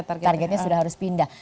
targetnya sudah harus pindah